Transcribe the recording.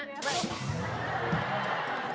เดี๋ยวไป